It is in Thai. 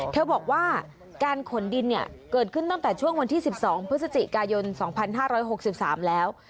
เธอบอกว่าการขนดินเนี่ยเกิดขึ้นตั้งแต่ช่วงวันที่๑๒พฤศจิกายน๒๕๖๓แล้ว